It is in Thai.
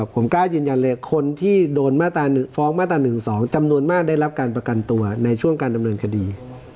ผมกล้ายืนยันเลยคนที่โดนฟ้องมาตรา๑๒จำนวนมากได้รับการประกันตัวในช่วงการดำเนินคดี